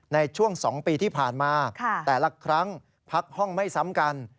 ในช่วง๒ปีที่ผ่านมาแต่ละครั้งพักห้องไม่ซ้ำกัน